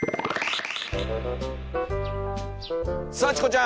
さあチコちゃん。